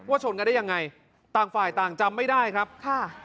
ชนกันได้ยังไงต่างฝ่ายต่างจำไม่ได้ครับค่ะ